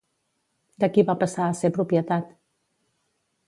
De qui va passar a ser propietat?